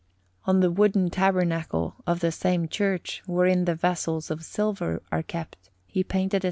On the wooden tabernacle of the same church, wherein the vessels of silver are kept, he painted a S.